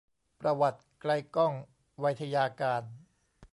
ประวัติ ไกลก้อง ไวทยการ